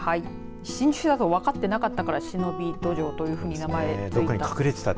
新種だと分かっていなかったからシノビドジョウというふうに名前がついた。